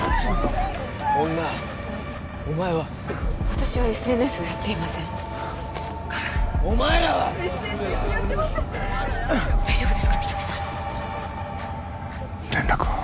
女お前は私はＳＮＳをやっていませんお前らは・ＳＮＳやってませんうっ大丈夫ですか皆実さん連絡は？